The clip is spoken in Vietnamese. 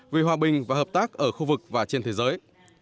vì hòa bình và hợp tác ở khu vực và trên thế giới